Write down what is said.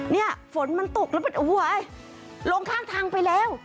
เนี่ยฝนมันตกแล้วเป็นโอ้โหลงข้างทางไปแล้ว